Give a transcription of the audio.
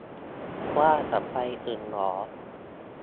ว่าจะไปถึงเหรอ